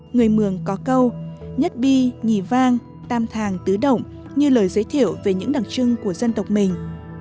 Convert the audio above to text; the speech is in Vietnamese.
người mường có câu nhất bi nhì vang tam thàng tứ động như lời giới thiệu về những đặc trưng của dân tộc mình